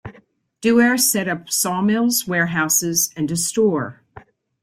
Duer set up sawmills, warehouses, and a store.